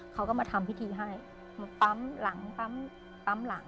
เขาก็มาทำพิธีให้มาปั๊มหลังปั๊มหลัง